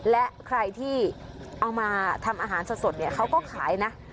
และใครที่เอามาทำอาหารสดเนี่ยเขาก็ขายนะ